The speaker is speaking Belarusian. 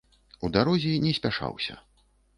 У дарозе не спяшаўся.